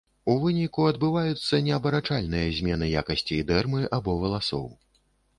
У выніку адбываюцца неабарачальныя змены якасцей дэрмы або валасоў.